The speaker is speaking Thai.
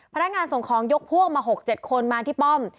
พนักงานส่งของยกพวกมา๖๗คนมาที่ป้อม